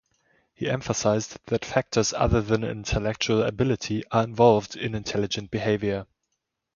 He emphasized that factors other than intellectual ability are involved in intelligent behavior.